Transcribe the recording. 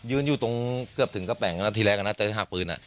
ยืนอยู่ตรงเกือบถึงกระแป้งทีแรกอย่างนั้นเจอหักปืน